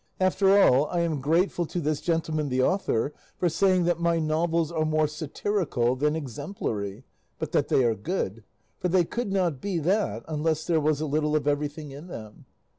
After all, I am grateful to this gentleman, the author, for saying that my novels are more satirical than exemplary, but that they are good; for they could not be that unless there was a little of everything in them.